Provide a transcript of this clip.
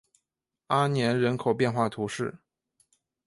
阿年人口变化图示